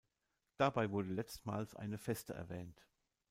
Dabei wurde letztmals eine Feste erwähnt.